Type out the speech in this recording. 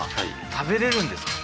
食べれるんですか？